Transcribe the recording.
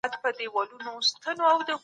زموږ لویه غلطي د مشرانو بې عیبه ګڼل دي.